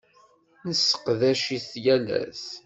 Nesseqdac-it yal ass.